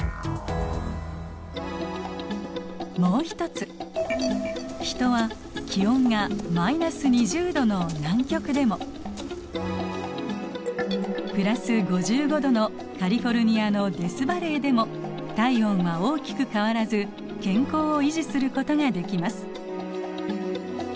もう一つヒトは気温が−２０℃の南極でも＋５５℃のカリフォルニアのデスバレーでも体温は大きく変わらず健康を維持することができます。